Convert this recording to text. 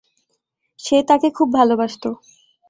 সে তাকে খুব ভালোবাসতো।